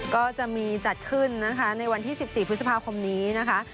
ก็จะมีจัดขึ้นนะคะในวันที่๑๔พฤษภาคมนี้นะคะ